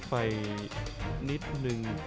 ไปนิดนึง